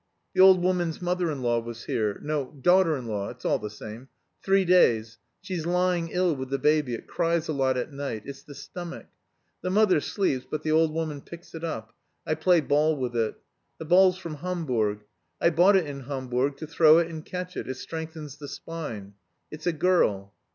"The old woman's mother in law was here no, daughter in law, it's all the same. Three days. She's lying ill with the baby, it cries a lot at night, it's the stomach. The mother sleeps, but the old woman picks it up; I play ball with it. The ball's from Hamburg. I bought it in Hamburg to throw it and catch it, it strengthens the spine. It's a girl."